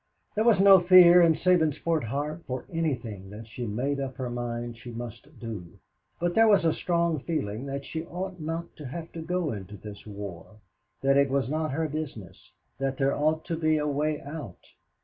There was no fear in Sabinsport's heart of anything that she made up her mind she must do, but there was a strong feeling that she ought not to have to go into this war, that it was not her business, that there ought to be a way out.